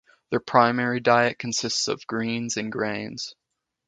Their primary diet consists of greens and grains.